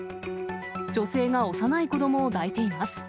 女性が幼い子どもを抱いています。